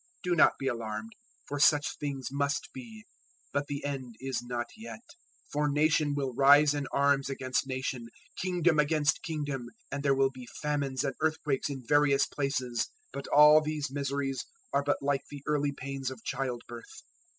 Do not be alarmed, for such things must be; but the End is not yet. 024:007 For nation will rise in arms against nation, kingdom against kingdom, and there will be famines and earthquakes in various places; 024:008 but all these miseries are but like the early pains of childbirth.